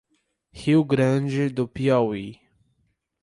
Rio Grande do Piauí